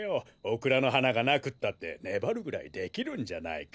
オクラのはながなくったってねばるぐらいできるんじゃないか？